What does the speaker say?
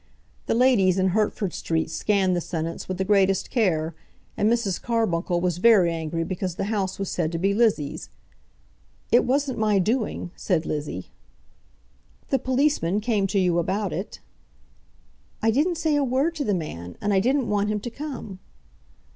The ladies in Hertford Street scanned the sentence with the greatest care, and Mrs. Carbuncle was very angry because the house was said to be Lizzie's house. "It wasn't my doing," said Lizzie. "The policeman came to you about it." "I didn't say a word to the man, and I didn't want him to come."